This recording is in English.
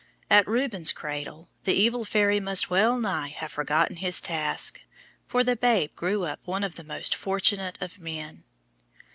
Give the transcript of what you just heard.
At Rubens' cradle the evil fairy must well nigh have forgotten his task, for the babe grew up one of the most fortunate of men.